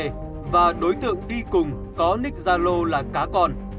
trung anh td và đối tượng đi cùng có ních gia lô là cá con